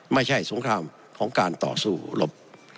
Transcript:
ไม่ใช่สงครามของการต่อสู้หลบ